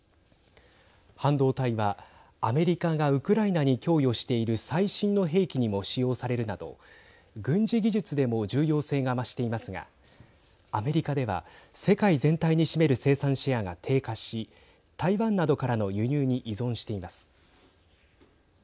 半導体はアメリカがウクライナに供与している最新の兵器にも使用されるなど軍事技術でも重要性が増していますがアメリカでは、世界全体に占める生産シェアが低下し台湾などからの輸入に依存しています。